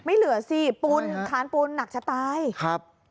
ไม่เหลือสิคานปูนหนักจะตาย